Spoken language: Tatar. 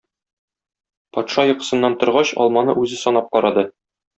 Патша йокысыннан торгач, алманы үзе санап карады.